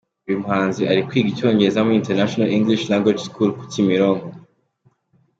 Uyu muhanzi ari kwiga Icyongereza muri International English Language School ku Kimironko.